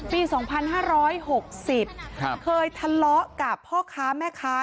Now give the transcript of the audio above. ปี๒๕๖๐เคยทะเลาะกับพ่อค้าแม่ค้า